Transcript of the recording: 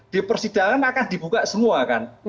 di persidangan akan dibuka semua kan